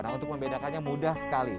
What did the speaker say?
nah untuk membedakannya mudah sekali